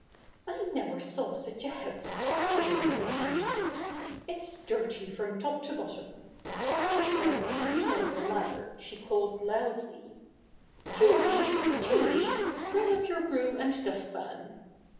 "I never saw such a house!" the woman con tinued. "It's dirty from top to bottom." Then leaning over the ladder, she called loudly: "Julie! Julie, bring up your broom and dust pan."